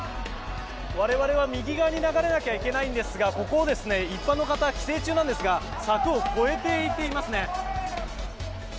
我々は右側に流れなきゃいけないんですがここを一般の方規制中なんですが柵を越えていっていますね。